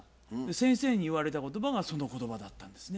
先生に言われた言葉がその言葉だったんですね。